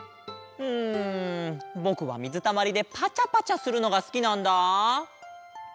うんぼくはみずたまりでパチャパチャするのがすきなんだ。